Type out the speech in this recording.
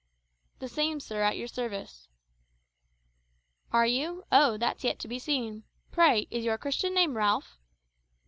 "The same, sir, at your service." "Are you? oh, that's yet to be seen! Pray, is your Christian name Ralph?"